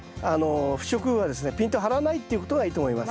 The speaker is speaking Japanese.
不織布はですねピンと張らないっていうことがいいと思います。